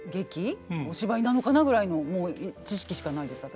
お芝居なのかなぐらいのもう知識しかないです私。